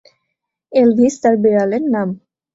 Elvis তার বিড়ালের নাম।